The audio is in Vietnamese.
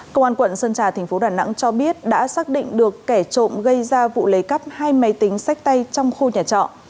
công an quận sơn trà thành phố đà nẵng cho biết đã xác định được kẻ trộm gây ra vụ lấy cắp hai máy tính sách tay trong khu nhà trọ